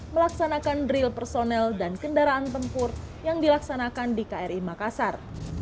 melaksanakan drill personel dan kendaraan tempur yang dilaksanakan di kri makassar